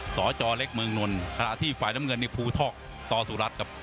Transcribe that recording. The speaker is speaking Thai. สจเล็กเมืองนลขณะที่ฝ่ายน้ำเงินนี่ภูทอกต่อสุรัตน์ครับ